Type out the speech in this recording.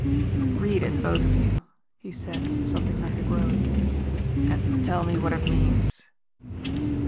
"Read it, both of you," he said, with something like a groan. "And tell me what it means."